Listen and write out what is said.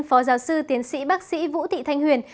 phó giáo sư tiến sĩ bác sĩ vũ thị thanh huyền